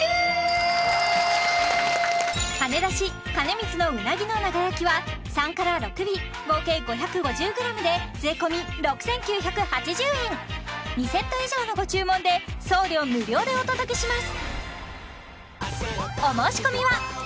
はねだし兼光のうなぎの長焼きは３から６尾合計５５０ｇで税込６９８０円２セット以上のご注文で送料無料でお届けします